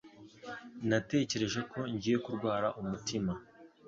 Natekereje ko ngiye kurwara umutima.